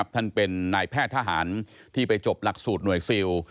ท่านเป็นนายแพทย์ทหารที่ไปจบหลักสูตรหน่วยซิล